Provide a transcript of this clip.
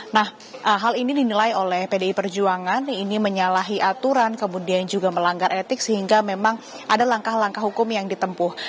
nah hal ini dinilai oleh pdi perjuangan ini menyalahi aturan kemudian juga melanggar etik sehingga memang ada langkah langkah hukum yang ditempuh